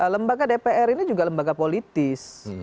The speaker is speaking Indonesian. lembaga dpr ini juga lembaga politis